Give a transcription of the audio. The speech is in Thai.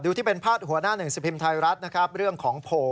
ดูที่เป็นภาษาหัวหน้าหนึ่งสปริมไทยรัฐเรื่องของโพล